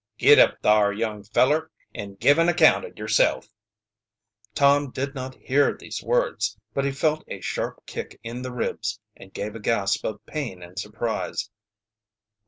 "Git up thar, young feller, an' give an account o'yerself!" Tom did not hear these words, but he felt a sharp kick in the ribs and gave a gasp of pain and surprise.